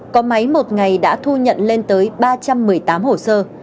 có máy một ngày đã thu nhận lên tới ba trăm một mươi tám hồ sơ